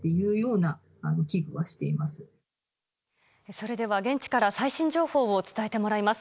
それでは現地から最新情報を伝えてもらいます。